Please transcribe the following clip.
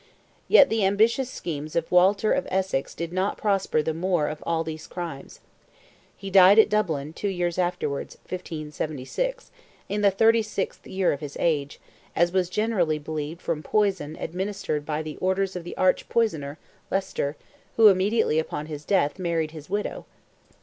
Yet the ambitious schemes of Walter of Essex did not prosper the more of all these crimes. He died at Dublin, two years afterwards (1576), in the 36th year of his age, as was generally believed from poison administered by the orders of the arch poisoner, Leicester, who immediately upon his death married his widow.